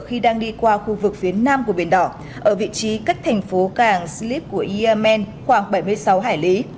khi đang đi qua khu vực phía nam của biển đỏ ở vị trí cách thành phố càng slip của yemen khoảng bảy mươi sáu hải lý